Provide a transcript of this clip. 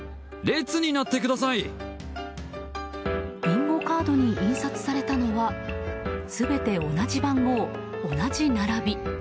ビンゴカードに印刷されたのは全て同じ番号、同じ並び。